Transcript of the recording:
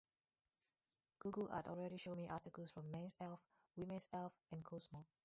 Google had already shown me articles from Men’s Health, Women’s Health, and Cosmo.